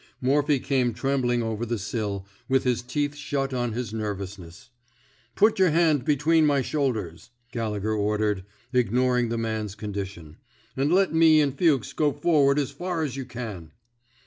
Morphy came trembling over the sill, with his teeth shut on his nervousness. Put your hand between my shoulders," Galle gher ordered, ignoring the man's condition, and let me and Fuchs go forward as far as you can."